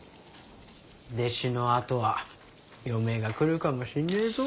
弟子のあとは嫁が来るかもしんねえぞ。